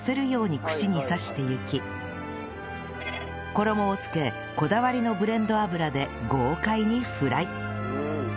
衣をつけこだわりのブレンド油で豪快にフライ